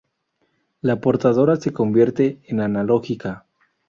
La portadora se convierte en analógica.